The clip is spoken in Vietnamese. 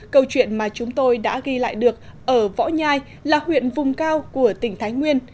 câu chuyện mà chúng tôi đã ghi lại được ở võ nhai là huyện vùng cao của tỉnh thái nguyên